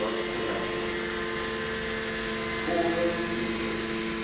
Evangelist. Poor Beecher!